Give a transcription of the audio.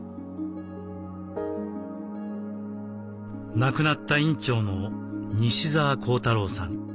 亡くなった院長の西澤弘太郎さん。